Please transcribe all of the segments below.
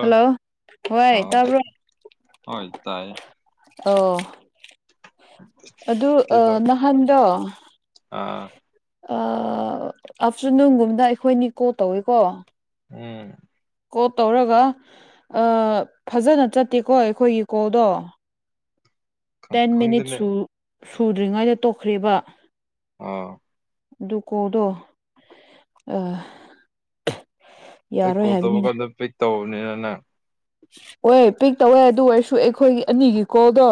Hello ꯍꯣꯏ ꯑ ꯇꯥꯕ꯭ꯔꯣ ꯍꯣꯏ ꯇꯥꯏ ꯑꯣ ꯑꯗꯨ ꯑ ꯀꯩꯗꯧ ꯅꯍꯥꯟꯗꯣ ꯑ ꯑꯥ ꯑꯞꯇꯔꯅꯨꯟꯒꯨꯝꯕꯗ ꯑꯩꯈꯣꯏꯅꯤ ꯀꯣꯜ ꯇꯧꯋꯤꯀꯣ ꯎꯝ ꯀꯣꯜ ꯇꯧꯔꯒ ꯑ ꯐꯖꯅ ꯆꯠꯇꯦꯀꯣ ꯑꯩꯈꯣꯏꯒꯤ ꯀꯣꯜꯗꯣ ꯈꯪ ꯇꯦꯟ ꯃꯤꯅꯤꯠ ꯈꯪꯗꯦꯅꯦ ꯁꯨ ꯁꯨꯗ꯭ꯔꯤꯉꯩꯗ ꯇꯣꯛꯈ꯭ꯔꯦꯕꯥ ꯑꯥ ꯑꯗꯨ ꯀꯣꯜꯗꯣ ꯑ ꯑꯩ ꯀꯣꯜ ꯇꯧꯕ ꯀꯥꯟꯗ ꯄꯤꯛ ꯇꯧꯔꯕꯅꯤꯅ ꯅꯪ ꯍꯣꯏ ꯄꯤꯛ ꯇꯧꯋꯦ ꯑꯗꯨ ꯑꯣꯏꯔꯁꯨ ꯑꯩꯈꯣꯏꯒꯤ ꯑꯅꯤꯒꯤ ꯀꯣꯜꯗꯣ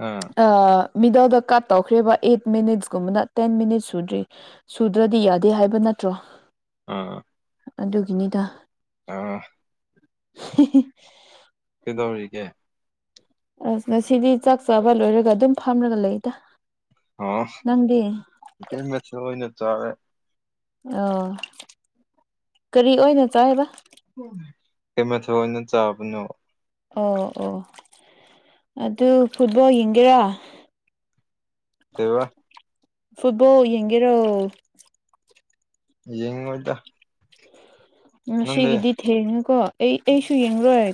ꯑꯥ ꯑꯥ ꯃꯤꯗꯜꯗ ꯀꯠ ꯇꯧꯈ꯭ꯔꯦꯕ ꯑꯦꯠ ꯃꯤꯅꯤꯠꯁ ꯀꯨꯝꯕꯗ ꯇꯦꯟ ꯃꯤꯅꯤꯠꯁ ꯁꯨꯗ꯭ꯔꯤ ꯁꯨꯗ꯭ꯔꯗꯤ ꯌꯥꯗꯦ ꯍꯥꯏꯕ ꯅꯠꯇ꯭ꯔꯣ ꯑꯥ ꯑꯗꯨꯒꯤꯅꯤꯗꯥ ꯑꯥ [unintelligible] ꯀꯩꯗꯧꯔꯤꯒꯦ ꯑꯁ ꯉꯁꯤꯗꯤ ꯆꯥꯛ ꯆꯥꯕ ꯂꯣꯏꯔꯒ ꯑꯗꯨꯝ ꯐꯥꯝꯔꯒ ꯂꯩꯗꯥ ꯑꯣ ꯀꯩ ꯃꯊꯦꯜ ꯑꯣꯏꯅ ꯆꯥꯔꯦ ꯑꯣ ꯀꯔꯤ ꯑꯣꯏꯅ ꯆꯥꯏ ꯑꯕꯥ ꯎꯝ ꯀꯩ ꯃꯊꯦꯜ ꯑꯣꯏꯅ ꯆꯥꯕꯅꯣ ꯑꯣ ꯑꯣ ꯑꯗꯨ ꯐꯨꯠꯕꯣꯜ ꯌꯦꯡꯒꯦꯔꯥ ꯀꯩꯕꯥ ꯐꯨꯠꯕꯣꯜ ꯌꯦꯡꯒꯦꯔꯣ ꯌꯦꯡꯉꯣꯏꯗꯥ ꯉꯁꯤꯒꯤꯗꯤ ꯊꯦꯡꯉꯤꯀꯣ ꯑꯩ ꯑꯩꯁꯨ ꯌꯦꯡꯔꯣꯏ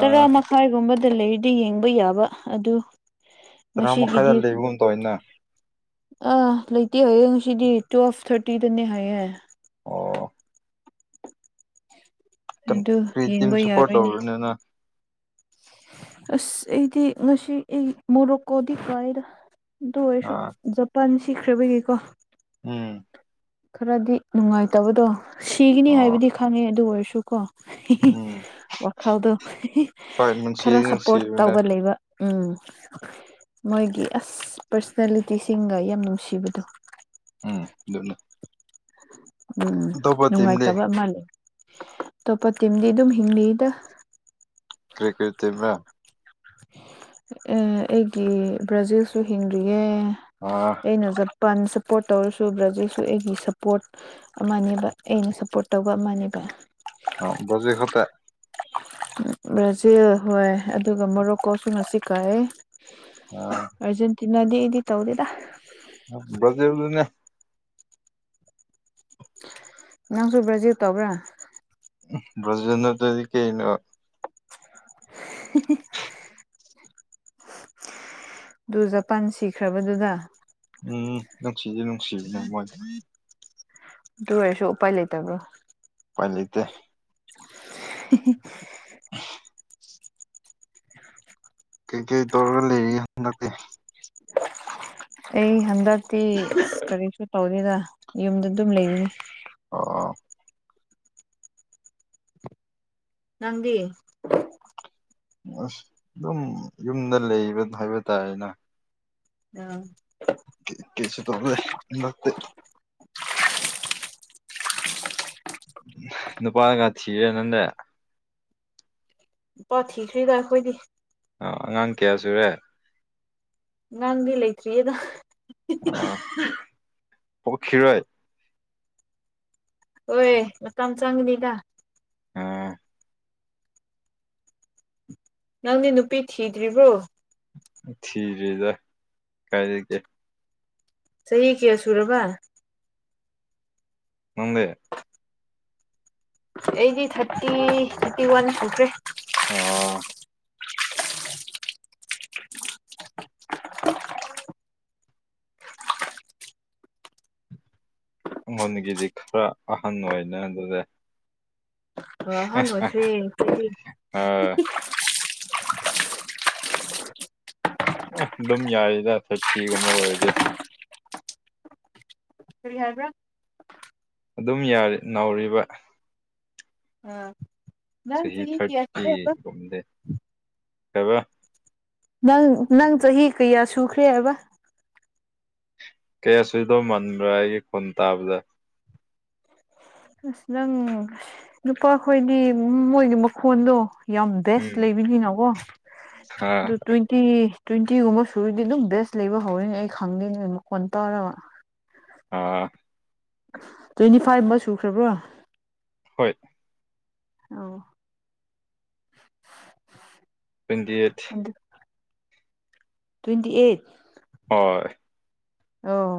ꯑ ꯃꯈꯥꯏꯒꯨꯝꯕ ꯗ ꯂꯩꯔꯗꯤ ꯌꯦꯡꯕ ꯌꯥꯕ ꯑꯗꯨ ꯇꯔꯥ ꯃꯈꯥꯏꯗ ꯉꯁꯤꯒꯤꯗꯤ ꯂꯩꯕꯒꯨꯝ ꯇꯧꯏꯅꯥ ꯑꯥ ꯂꯩꯇꯦ ꯍꯥꯏꯌꯦ ꯉꯁꯤꯗꯤ ꯇꯨꯋꯦꯜꯐ ꯊꯥꯔꯇꯤꯗꯅꯦ ꯍꯥꯏꯌꯦ ꯑꯣ ꯇꯝ ꯑꯗꯨ ꯀ꯭ꯔꯤ ꯇꯤꯝ ꯌꯦꯡꯕ ꯁꯞꯄꯣꯔꯠ ꯌꯥꯔꯣꯏꯅꯦ ꯇꯧꯔꯤꯅꯣ ꯅꯪ ꯑꯁ ꯑꯩꯗꯤ ꯉꯁꯤ ꯑꯩ ꯃꯣꯔꯣꯀꯣꯗꯤ ꯀꯥꯏꯌꯦꯗꯥ ꯑꯗꯨ ꯑꯣꯏꯁꯨ ꯑꯥ ꯖꯄꯥꯟ ꯁꯤꯈ꯭ꯔꯕꯒꯤꯀꯣ ꯎꯝ ꯈꯔꯗꯤ ꯅꯨꯡꯉꯥꯏꯇꯕꯗꯣ ꯁꯤꯒꯤꯅꯤ ꯑꯣ ꯍꯥꯏꯕꯗꯤ ꯈꯪꯉꯦ ꯑꯗꯨ ꯑꯣꯏꯔꯁꯨ ꯀꯣ ꯎꯝ ꯋꯥꯈꯜꯗꯣ ꯍꯣꯏ ꯅꯨꯡꯁꯤ ꯈꯔ ꯁꯞꯄꯣꯔꯠ ꯅꯨꯡꯁꯤꯕꯅꯦ ꯇꯧꯕ ꯂꯩ ꯕ ꯎꯝ ꯃꯣꯏꯒꯤ ꯑꯁ ꯄꯔꯁꯣꯅꯦꯂꯤꯇꯤꯁꯤꯡꯒ ꯌꯥꯝ ꯅꯨꯡꯁꯤꯕꯗꯣ ꯎꯝ ꯗꯨꯗꯨ ꯎꯝ ꯇꯤꯝꯗꯤ ꯅꯨꯡꯉꯥꯏꯇꯕ ꯃꯥ ꯂꯩ ꯑꯇꯣꯞꯄ ꯇꯤꯝꯗꯤ ꯑꯗꯨꯝ ꯍꯤꯡꯂꯤꯗꯥ ꯀ꯭ꯔꯤ ꯀ꯭ꯔꯤ ꯇꯤꯝꯔꯥ ꯑꯦ ꯑꯩꯒꯤ ꯕ꯭ꯔꯥꯖꯤꯜꯁꯨ ꯍꯤꯡꯗ꯭ꯔꯤꯌꯦ꯫ ꯑꯥ꯫ ꯑꯩꯅ ꯖꯄꯥꯟ ꯁꯞꯄꯣꯔꯠ ꯇꯧꯔꯁꯨ ꯕ꯭ꯔꯥꯖꯤꯜꯁꯨ ꯑꯩꯒꯤ ꯁꯄꯣꯔꯠ ꯑꯃꯅꯦꯕ ꯑꯩꯅ ꯁꯞꯄꯣꯔꯠ ꯇꯧꯕ ꯑꯃꯅꯦꯕ꯫ ꯑ ꯕ꯭ꯔꯖꯦ ꯈꯠꯇ꯫ ꯕ꯭ꯔꯥꯖꯤꯜ ꯍꯣꯏ ꯑꯗꯨꯒ ꯃꯣꯔꯣꯛ ꯀꯣꯁꯨ ꯉꯁꯤ ꯀꯥꯑꯦ꯫ ꯑꯥ꯫ ꯑꯔꯖꯦꯟꯇꯤꯅꯥꯗꯤ ꯑꯩꯗꯤ ꯇꯧꯗꯦꯗ꯫ ꯕ꯭ꯔꯖꯦꯜꯗꯨꯅꯦ꯫ ꯅꯪꯁꯨꯨ ꯕ꯭ꯔꯥꯖꯤꯜ ꯇꯧꯕ꯭ꯔꯥ꯫ ꯕ꯭ꯔꯥꯖꯤꯟ ꯅꯠꯇ꯭ꯔꯗꯤ ꯀꯩꯅꫭ꯫ [unintelligible] ꯗꯨ ꯖꯄꯥꯟ ꯁꯤꯈ꯭ꯔꯕꯗꯨꯗ꯫ ꯎꯝ ꯅꯨꯡꯁꯤꯖꯦ ꯅꯨꯡꯁꯤꯕꯅꯦ ꯃꯣꯏ꯫ ꯗꯨ ꯑꯣꯏꯔꯁꯨ ꯎꯄꯥꯏ ꯂꯩꯇꯕ꯭ꯔꯣ꯫ ꯄꯥꯏ ꯂꯩꯇꯦ꯫ [unintelligible] ꯀꯩꯀꯩ ꯇꯧꯔꯒ ꯂꯩꯔꯤ ꯍꯟꯗꯛꯇꯤ꯫ ꯑꯩ ꯍꯟꯗꯛꯇꯤ ꯑꯁ ꯀꯔꯤꯁꯨ ꯇꯧꯗꯦꯗ ꯌꯨꯝꯗ ꯑꯗꯨꯝ ꯂꯩꯕꯅꯤ꯫ ꯑꯣ꯫ ꯅꯪꯗꯤ꯫ ꯑꯁ ꯑꯗꯨꯝ ꯌꯨꯝꯗ ꯂꯩꯕ ꯍꯥꯏꯕ ꯇꯥꯔꯦꯅꯦ꯫ [inaudible] ꯀꯦ ꯀꯩꯁꯨ ꯇꯧꯔꫭꯏ ꯍꯟꯗꯛꯇꯤ꯫ ꯅꯨꯄꯥꯒ ꯊꯤꯔꯦ ꯅꯟꯗꯦ꯫ ꯅꯨꯄꯥ ꯊꯤꯈ꯭ꯔꯤꯗ ꯑꯈꯣꯏꯗꯤ꯫ ꯑ ꯑꯉꯥꯡ ꯀꯌꯥ ꯁꯨꯔꯦ꯫ ꯑꯉꯥꯡꯗꯤ ꯂꯩꯇ꯭ꯔꯤꯌꯦꯗ꯫ ꯑ ꯍꯧꯈꯤꯔꯣꯏ꯫ ꯍꯣꯏ ꯃꯇꯝ ꯆꯥꯡꯒꯅꯤꯗ꯫ ꯑꯣ꯫ ꯅꯪꯗꯤ ꯅꯨꯄꯤ ꯊꯤꯗ꯭ꯔꯤꯕ꯭ꯔꯣ꯫ ꯊꯤꯗ꯭ꯔꯤꯗ ꯀꯥꯏꯗꯒꯤ꯫ ꯆꯍꯤ ꯀꯌꯥ ꯁꯨꯔꯕ꯫ ꯅꯪꯗꯤ꯫ ꯑꯩꯗꯤ ꯊꯥꯔꯇꯤ ꯊꯤꯔꯇꯤ ꯋꯥꯟ ꯁꯨꯈ꯭ꯔꯦ꯫ ꯑꯣ꯫ ꯑꯩꯉꯣꯟꯗꯒꯤꯗꯤ ꯈꯔ ꯑꯍꯟ ꯑꯣꯏꯅ ꯑꯗꯨꯗꯤ꯫ ꯑꯍꯟ ꯑꫭꯏꯈ꯭ꯔꯦ ꯑꯈꫭꯏꯗꯤ [unintelligible] ꯑ ꯑꯗꯨꯝ ꯌꯥꯔꯤꯗ ꯐꯤꯚꯇꯤꯒꯨꯝꯕ ꯑꯣꯏꯗꯤ꯫ ꯀꯔꯤ ꯍꯥꯏꯕ꯭ꯔꯥ꯫ ꯑꯗꯨꯝ ꯌꯥꯔꯤ ꯅꯥꯎꯔꯤꯕ꯫ ꯑꯥ꯫ ꯆꯍꯤ ꯊꯥꯔꯇꯤꯒꯨꯝꯗꯤ ꯀꯩꯕ꯫ ꯅꯪ ꯅꯪ ꯆꯍꯤ ꯀꯌꯥ ꯁꯨꯈ꯭ꯔꯦ ꯍꯥꯏꯕ ꯀꯩꯌꯥꯁꯨꯏꯕ ꯃꯟꯕ꯭ꯔꯥ ꯑꯩꯒꯤ ꯈꯣꯟ ꯇꯥꯕꯗ ꯅꯪ ꯅꯨꯄꯥꯈꯣꯏꯗꯤ ꯃꯣꯏꯒꯤ ꯃꯈꯣꯟꯗꯣ ꯌꯥꯝ ꯕꯦꯁ ꯎꯝ ꯂꯩꯕꯤꯅꯤꯅꯣꯀꯣ ꯑꯥ ꯇꯨ ꯇ꯭ꯋꯦꯟ ꯇꯤ ꯇ꯭ꯋꯦꯟꯇꯤꯒꯨꯝꯕ ꯁꯨꯔꯗꯤ ꯑꯗꯨꯝ ꯕꯦꯁ ꯂꯩꯕ ꯍꯧꯔ‌ꯦ ꯑꯩ ꯈꯪꯗꯦꯅꯦ ꯃꯈꯣꯟ ꯇꯥꯔꯒ ꯑꯥ ꯇ꯭ꯋꯦꯟꯇꯤ ꯐꯥꯏꯚ ꯃ ꯁꯨꯈ꯭ꯔꯕ꯭ꯔꯣ ꯍꯣꯏ ꯑꯥꯎ ꯇ꯭ꯋꯦꯟꯇꯤ ꯑꯩꯠ ꯇ꯭ꯋꯦꯟꯇꯤ ꯑꯩꯠ ꯍꯣꯏ ꯑꯣ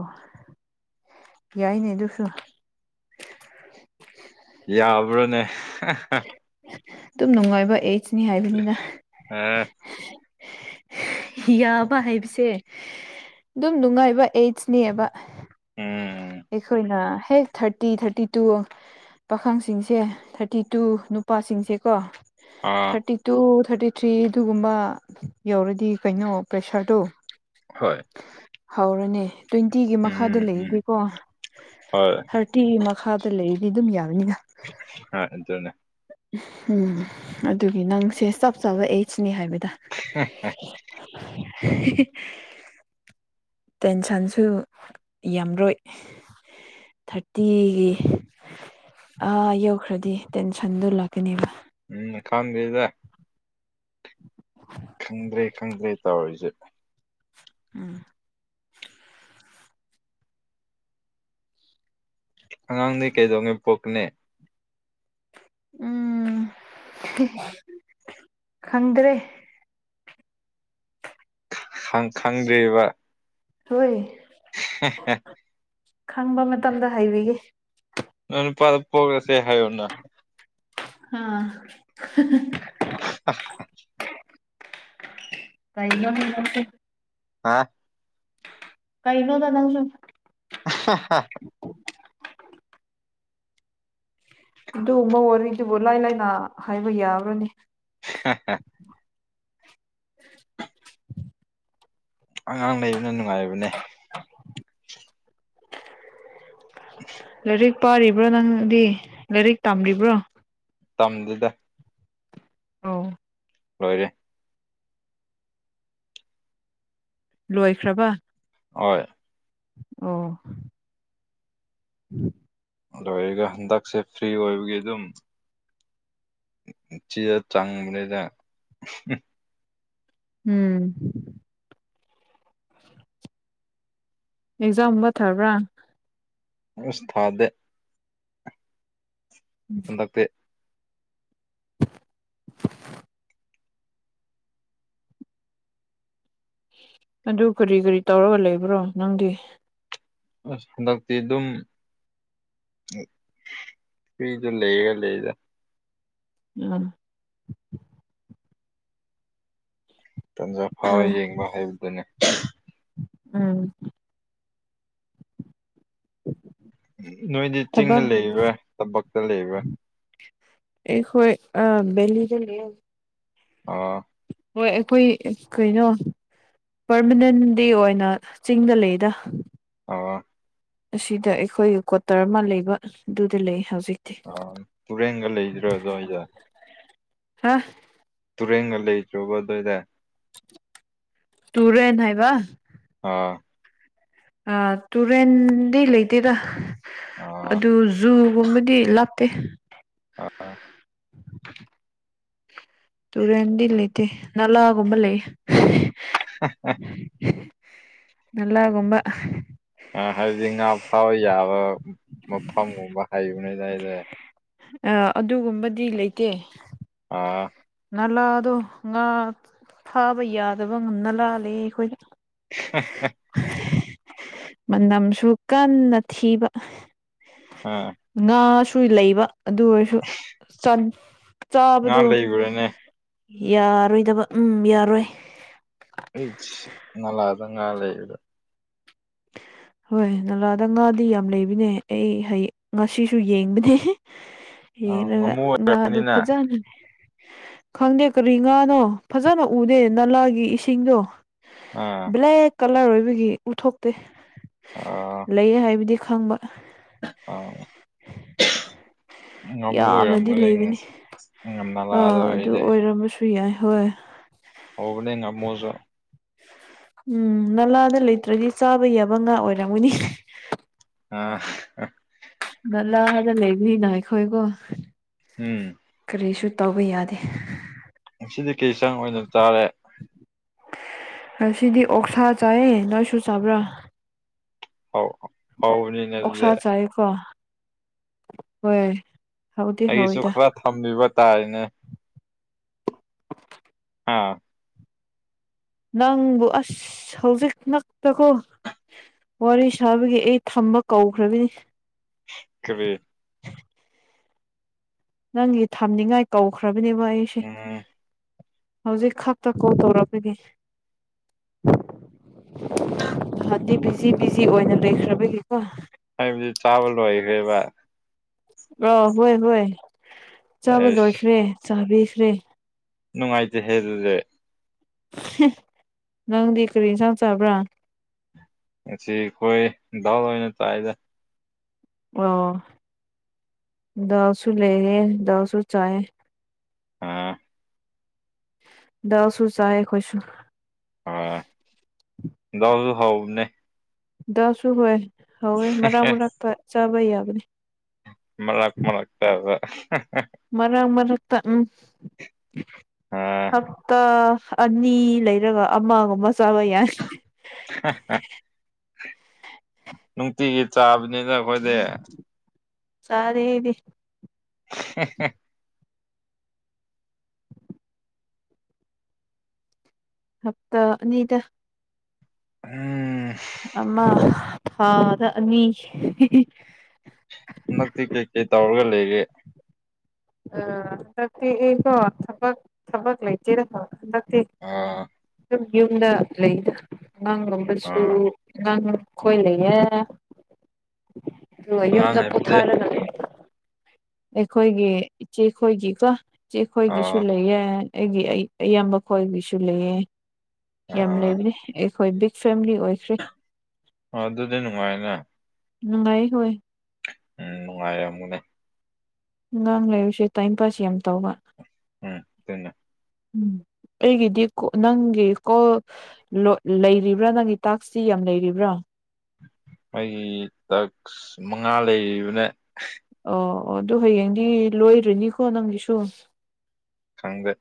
ꯌꯥꯏꯅꯦ ꯑꯗꯨꯁꯨ ꯌꯥꯕ꯭ꯔꯥꯅꯦ ꯑꯗꯨꯝ ꯅꯨꯡꯉꯥꯏꯕ ꯑꯦꯁꯅꯤ ꯍꯥꯏꯕꯅꯤꯗ ꯑꯥ ꯌꯥꯕ ꯍꯥꯏꯕꯁꯦ ꯑꯗꯨꯝ ꯅꯨꯡꯉꯥꯏꯕ ꯑꯩꯠꯁ ꯅ‌ꯦꯕ ꯎꯝ ꯑꯩꯈꯣꯏꯅ ꯍꯦꯛ ꯊꯥꯔꯇꯤ ꯊꯥꯔꯇꯤ ꯇꯨ ꯄꯥꯈꯪꯁꯤꯡꯁꯦ ꯊꯥꯔꯇꯤ ꯇꯨ ꯅꯨꯄꯥꯁꯤꯡꯁꯦꯀꯣ ꯑꯥ ꯊꯥꯔꯇꯤ ꯇꯨ ꯊꯥꯔꯇꯤ ꯊ꯭ꯔꯤ ꯑꯗꯨꯒꯨꯝꯕ ꯌꯧꯔꯗꯤ ꯀꯩꯅꯣ ꯄ꯭ꯔꯦꯁꯔꯗꯣ ꯍꯣꯏ ꯍꯧꯔꯅꯤ ꯇ꯭ꯋꯦꯟꯇꯤꯒꯤ ꯃꯈꯥꯗ ꯎꯝ ꯎꯝ ꯂꯩꯔꯗꯤꯀꯣ ꯍꯣꯏ ꯊꯥꯔꯇꯤꯒꯤ ꯃꯈꯥꯗ ꯂꯩꯔꯤꯗꯤ ꯑꯗꯨꯝ ꯌꯥꯔꯅꯤꯗ [unintelligible] ꯎꯝ ꯑꯗꯨꯒꯤ ꯅꯪꯁꯦ ꯆꯞ ꯆꯥꯕ ꯑꯦꯖꯅꯤ ꯍꯥꯏꯕꯗ [unintelligible] [unintelligible] ꯇꯦꯟꯁꯟꯁꯨ ꯌꯥꯝꯔꯣꯏ ꯊꯥꯔꯇꯤꯒꯤ ꯑꯥ ꯌꯧꯈ꯭ꯔꯗꯤ ꯇꯦꯟꯁꯟꯗꯨ ꯂꯥꯛꯀꯅꯦꯕ ꯎꯝ ꯈꯪꯗ‌ꯦꯗ ꯈꯪꯗ꯭ꯔꯦ ꯈꯪꯗ꯭ꯔꯦ ꯇꯧꯔꯤꯖ‌ꯦ ꯎꯝ ꯑꯉꯥꯡꯗꯤ ꯀꯩꯗꯧꯉꯩ ꯄꯣꯛꯀꯅꯦ ꯎꯝ ꯈꯪꯗ꯭ꯔꯦ ꯈꯪ ꯈꯪꯗ꯭ꯔꯤꯕ ꯍꯣꯏ ꯍ‌ꯦ ꯍ‌ꯦ ꯈꯪꯕ ꯃꯇꯝꯗ ꯍꯥꯏꯕꯤꯒꯦ ꯅꯪ ꯅꯨꯄꯥꯗ ꯄꯣꯛꯂꯁꯦ ꯍꯥꯏꯌꯨꯅ ꯍꯥ [unintelligible] ꯀꯩꯩꯅꯣ ꯍ‌ꯦ ꯍꯥ ꯀꯩꯩꯅꯣꯗ ꯅꯪꯁꯨ [unintelligible] ꯑꯗꯨꯒꯨꯝꯕ ꯋꯥꯔꯤꯗꯨꯕꯨ ꯂꯥꯏ ꯂꯥꯏꯅꯥ ꯍꯥꯏꯕ ꯌꯥꯕ꯭ꯔꯅꯤ [unintelligible] [inaudible] ꯑꯉꯥꯡ ꯂꯩꯕꯅ ꯅꯨꯡꯉꯥꯏꯕꯅꯦ [unintelligible] ꯂꯥꯏꯔꯤꯛ ꯄꯥꯔꯤꯕ꯭ꯔꯥ ꯅꯪꯗꯤ ꯂꯥꯏꯔꯤꯛ ꯇꯥꯝꯔꯤꯕ꯭ꯔꯥ ꯇꯝꯗꯦꯗ ꯑꯥꯎ ꯂꯣꯏꯔꯦ ꯂꯣꯏꯈ꯭ꯔꯕ ꯍꯣꯏ ꯑꯣ [inaudible] ꯂꯣꯏꯔꯒ ꯍꯟꯗꯛꯁꯦ ꯐ꯭ꯔꯤ ꯑꯣꯏꯕꯒꯤ ꯑꯗꯨꯝ ꯆꯦꯗ ꯆꯥꯡꯕꯅꯤꯗ ꯎꯝ ꯑꯦꯛꯖꯥꯝꯕ ꯊꯥꯕ꯭ꯔꯥ ꯑꯁ ꯊꯥꯗꯦ ꯍꯟꯗꯛꯇꯤ [inaudible] ꯑꯗꯨ ꯀꯔꯤ ꯀꯔꯤ ꯇꯧꯔꯒ ꯂꯩꯕ꯭ꯔꯣ ꯅꯪꯗꯤ ꯑꯁ ꯍꯟꯗꯛꯇꯤ ꯑꯗꯨꯝ ꯐꯔꯤꯗ ꯂꯩꯌꯦ ꯂꯩꯗ ꯎꯝ ꯇꯟꯖꯥ ꯐꯥꯎꯕ ꯍꯣꯏ ꯌꯦꯡꯕ ꯍꯥꯏꯕꯗꯨꯅꯦ ꯎꯝ ꯅꯣꯏꯗꯤ ꯆꯤꯡꯗ ꯊꯕꯛ ꯂꯩꯕ꯭ꯔꯥ ꯇꯝꯄꯥꯛꯇ ꯂꯩꯕ꯭ꯔꯥ ꯑꯩꯈꯣꯏ ꯑꯥ ꯕꯦꯂꯤꯗ ꯂꯩꯌꯦ ꯑꯣ ꯍꯣꯏ ꯑꯩꯈꯣꯏ ꯀꯩꯅꯣ ꯄꯔꯃꯅꯦꯟ ꯗꯤꯑꯣꯏꯅ ꯆꯤꯡꯗ ꯂꯩꯗ ꯑꯣ ꯑꯁꯤꯗ ꯑꯩꯈꯣꯏꯒꯤ ꯀ꯭ꯋꯥꯇꯔ ꯑꯃ ꯂꯩꯕ ꯑꯗꯨꯗ ꯂꯩ ꯍꯧꯖꯤꯛ ꯑ ꯇꯨꯔꯦꯟꯒ ꯂꯩꯗ꯭ꯔꯣ ꯑꯗꯨꯋꯥꯏꯗ ꯍꯥ ꯇꯨꯔꯦꯟꯒ ꯂꯩꯇ꯭ꯔꯣꯕ ꯑꯗꯥꯏꯗ ꯇꯨꯔꯦꯟ ꯍꯥꯏꯕ ꯑꯥ ꯑꯥ ꯇꯨꯔꯦꯟꯗꯤ ꯂꯩꯇꯦꯗ ꯑꯥ ꯑꯗꯨ ꯖꯨꯒꯨꯝꯕꯗꯤ ꯂꯥꯞꯇꯦ ꯑꯥ [inaudible] ꯇꯨꯔꯦꯟꯗꯤ ꯂꯩꯇꯦ ꯅꯂꯥꯒꯨꯝꯕ ꯂꯩꯌꯦ ꯍꯥ ꯍꯥ ꯅꯂꯥ ꯒꯨꯝꯕ ꯑꯥ ꯍꯥꯏꯕꯗꯤ ꯉꯥ ꯐꯥꯕ ꯌꯥꯕ ꯃꯐꯝꯒꯨꯝꯕ ꯍꯥꯏꯕꯅꯤꯗ ꯑꯩꯗꯤ ꯑ ꯑꯗꯨꯒꯨꯝꯕꯗꯤ ꯂꯩꯇꯦ ꯑꯥ ꯅꯂꯥꯗꯣ ꯉꯥ ꯊꯥꯕ ꯌꯥꯗꯕ ꯅꯂꯥ ꯂꯩꯌꯦ ꯑꯩꯈꯣꯏꯗ [inaudible] ꯃꯅꯝꯁꯨ ꯀꯟꯅ ꯊꯤꯕ ꯑꯥ ꯉꯥꯁꯨ ꯂꯩꯕ ꯑꯗꯨ ꯑꯣꯏꯔꯁꯨ ꯆꯟ ꯉꯥ ꯆꯥꯕꯗꯣ ꯂꯩꯕ꯭ꯔꯥꯅꯦ ꯌꯥꯔꯣꯏꯗꯕ ꯎꯝ ꯌꯥꯔꯣꯏ ꯏꯁ ꯅꯂꯥꯗ ꯉꯥ ꯂꯩꯔꯤꯕ ꯍꯣꯏ ꯅꯂꯥꯗ ꯉꯥꯗꯤ ꯌꯥꯝ ꯂꯩꯕꯅꯦ ꯑꯩ ꯍꯌꯦ ꯉꯁꯤꯁꯨ ꯌꯦꯡꯕꯅꯦ ꯑꯥ ꯍꯦꯔꯒ ꯉꯥꯃꯨ ꯉꯥꯗꯨ ꯑꯣꯏꯔꯕꯅꯤꯅ ꯐꯖꯟꯅꯅꯦ ꯈꯪꯗꯦ ꯀꯔꯤ ꯉꯥꯅꯣ ꯐꯖꯟꯅ ꯎꯗꯦ ꯅꯂꯥꯒꯤ ꯏꯁꯤꯡꯗꯣ ꯑꯥ ꯕ꯭ꯂꯦꯛ ꯀꯂꯔ ꯑꯣꯏꯕꯒꯤ ꯎꯊꯣꯛꯇꯦ ꯑꯥ ꯂꯩꯌꯦ ꯍꯥꯏꯕꯗꯤ ꯈꯪꯕ ꯑꯥ ꯌꯥꯝꯅꯗꯤ ꯂꯩꯕꯅꯤ ꯏꯉꯝꯃ ꯑ ꯑꯗꯨ ꯑꯣꯏꯔꯝꯃꯁꯨ ꯌꯥꯏ ꯍꯣꯏ ꯑꯣꯏꯕꯅꯦ ꯉꯝꯃꯨꯖꯨ ꯎꯝ ꯅꯂꯥꯗ ꯂꯩꯇ꯭ꯔꯗꯤ ꯆꯥꯕ ꯌꯥꯕ ꯉꯥ ꯑꯣꯏꯔꯝꯒꯅꯤ ꯑꯥ ꯍ ꯅꯂꯥꯗ ꯂꯩꯕꯅꯤꯅ ꯑꯩꯈꯣꯏꯀꯣ ꯎꯝ ꯀꯔꯤꯁꯨ ꯇꯧꯕ ꯌꯥꯗꯦ ꯉꯁꯤꯗꯤ ꯀꯩ ꯆꯥꯡ ꯑꯣꯏꯅ ꯆꯥꯔꯦ ꯉꯁꯤꯗꯤ ꯑꯣꯛꯁꯥ ꯆꯥꯏꯌꯦ ꯅꯣꯏꯁꯨ ꯆꯥꯕ꯭ꯔꯥ ꯍꯥꯎ ꯑ ꯍꯥꯎꯕꯅꯤꯅꯦ ꯑꯗꯨꯗꯦ ꯑꯩꯀꯣ ꯍꯣꯏ ꯍꯥꯎꯗꯤ ꯑꯩꯁꯨ ꯍꯥꯎꯋꯤꯗ ꯈꯔ ꯊꯝꯕꯤꯕ ꯇꯥꯔꯤꯅꯦ ꯑꯥ ꯅꯪꯕꯨ ꯑꯁ ꯍꯧꯖꯤꯛ ꯉꯛꯇꯀꯣ ꯋꯥꯔꯤ ꯁꯥꯕꯒꯤ ꯑꯩ ꯊꯝꯕ ꯀꯧꯈ꯭ꯔꯦꯕꯦꯅꯤ ꯀꯔꯤ ꯅꯪꯒꯤ ꯊꯝꯅꯤꯉꯥꯏ ꯀꯧꯈ꯭ꯔꯕꯅꯦꯕ ꯑꯩꯁꯦ ꯎꯝ ꯍꯧꯖꯤꯛ ꯈꯛꯇ ꯀꯣꯜ ꯇꯧꯔꯛꯑꯝꯃꯤꯅꯤ ꯍꯥꯗꯤ ꯕꯤꯖꯤ ꯕꯤꯖꯤ ꯑꯣꯏꯅ ꯂꯩꯈ꯭ꯔꯕꯒꯤꯀꯣ ꯍꯥꯏꯕꯗꯤ ꯆꯥꯕ ꯂꯣꯏꯒ꯭ꯔꯦꯕ ꯕ꯭ꯔ ꯍꯣꯏ ꯍꯣꯏ ꯆꯥꯕ ꯑꯦꯁ ꯂꯣꯏꯈ꯭ꯔꯦ ꯆꯥꯕꯤꯈ꯭ꯔꯦ ꯅꯨꯡꯉꯥꯏꯇꯦ ꯍꯦ ꯑꯗꯨꯗꯤ ꯍꯦ ꯅꯪꯗꯤ ꯀꯔꯤ ꯏꯟꯁꯥꯡ ꯆꯥꯕ꯭ꯔꯥ ꯑꯁꯤ ꯑꯩꯈꯣꯏ ꯗꯥꯎꯜ ꯑꯣꯏꯅ ꯇꯥꯏꯗ ꯑꯣ ꯗꯥꯜꯁꯨ ꯂꯩꯔꯦ ꯗꯥꯜꯁꯨ ꯆꯥꯏ ꯎꯝ ꯗꯥꯜꯁꯨ ꯆꯥꯏ ꯑꯩꯈꯣꯏꯁꯨ ꯎꯝ ꯗꯥꯜꯁꯨ ꯍꯥꯎꯕꯅꯦ ꯗꯥꯜꯁꯨ ꯍꯣꯏ ꯍꯥꯎꯋꯦ ꯃꯔꯛ ꯃꯔꯛꯇ ꯆꯥꯕ ꯌꯥꯕꯅꯦ ꯃꯔꯛ ꯃꯔꯛ ꯇꯕ ꯃꯔꯛ ꯃꯔꯛꯇ ꯎꯝ ꯍꯥꯞꯇ ꯑꯅꯤ ꯂꯩꯔꯒ ꯑꯃꯒꯨꯝꯕ ꯆꯥꯕ ꯌꯥꯏ ꯅꯨꯡꯇꯤꯒꯤ ꯆꯥꯕꯅꯤꯗ ꯑꯈꯣꯏꯗꯤ ꯆꯥꯗꯦ ꯑꯩꯗꯤ [unintelligible] ꯍꯞꯇꯥ ꯑꯅꯤꯗ ꯎꯝ ꯑꯃ ꯊꯥꯗ ꯑꯅꯤ ꯅꯪꯇꯤ ꯀꯩꯀꯩ ꯇꯧꯔꯒ ꯂꯩꯔꯦ ꯑ [inaudible] ꯊꯕꯛ ꯊꯕꯛ ꯂꯩꯇꯦꯗ ꯍꯟꯗꯛ ꯑꯥ ꯑꯗꯨꯝ ꯌꯨꯝꯗ ꯂꯩꯗ ꯑꯉꯥꯡꯒꯨꯝꯕꯁꯨ ꯑꯥ [inaudible] ꯑꯩꯈꯣꯏ ꯂꯩꯌꯦ ꯑꯗꯨꯒ ꯑꯉꯥꯡ ꯌꯨꯝꯗ ꯍꯥꯏꯕꯗꯤ ꯄꯣꯊꯥꯔꯒ ꯂꯩꯔꯦ ꯑꯩꯈꯣꯏꯒꯤ ꯏꯆꯦꯈꯣꯏꯒꯤꯀꯣ ꯏꯆꯦꯈꯣꯏꯒꯤꯁꯨ ꯑꯥ ꯂꯩꯌꯦ ꯑꯩꯒꯤ ꯑꯌꯥꯝꯕ ꯈꯣꯏꯒꯤꯁꯨ ꯂꯩꯌꯦ ꯌꯥꯝ ꯑꯥ ꯂꯩꯕꯅꯦ ꯑꯩꯈꯣꯏ ꯕꯤꯛ ꯐꯦꯃꯤꯂꯤ ꯑꯣꯏ ꯑꯗꯨꯗꯤ ꯅꯨꯡꯉꯥꯏꯅꯦ ꯅꯨꯡꯉꯥꯏꯌꯦ ꯍꯣꯏ ꯎꯝ ꯅꯨꯡꯉꯥꯏꯔꯝꯒꯅꯦ ꯑꯉꯥꯡ ꯂꯩꯕꯁꯦ ꯇꯥꯏꯝ ꯄꯥꯁ ꯌꯥꯝ ꯇꯧꯕ ꯎꯝ ꯀꯩꯅꯣ ꯎꯝ ꯑꯩꯒꯤꯗꯤ ꯅꯪꯒꯤ ꯀꯣꯜ ꯂꯩꯔꯤꯕ꯭ꯔꯥ ꯅꯪꯒꯤ ꯇꯥꯛꯁꯇꯤ ꯌꯥꯝ ꯂꯩꯔꯤꯕ꯭ꯔꯥ ꯑꯩꯒꯤ ꯇꯥꯛꯁ ꯃꯉꯥ ꯂꯩꯔꯤꯕꯅꯦ ꯑꯣ ꯑꯣ ꯑꯗꯨ ꯍꯌꯦꯡꯗꯤ ꯂꯣꯏꯔꯅꯤꯀꯣ ꯅꯪꯒꯤꯁꯨ ꯈꯪꯗꯦ